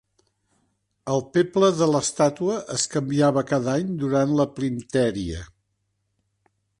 El peple de l'estàtua es canviava cada any durant la Plintèria.